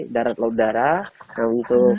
darat laut darah nah untuk